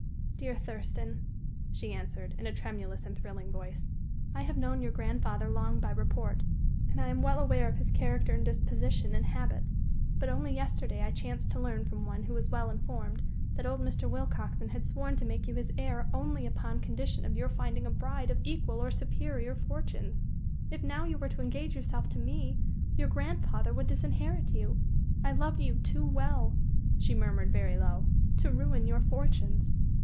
"Dear Thurston," she answered, in a tremulous and thrilling voice, "I have known your grandfather long by report, and I am well aware of his character and disposition and habits. But only yesterday I chanced to learn from one who was well informed that old Mr. Willcoxen had sworn to make you his heir only upon condition of your finding a bride of equal or superior fortunes. If now you were to engage yourself to me, your grandfather would disinherit you. I love you too well," she murmured very low, "to ruin your fortunes.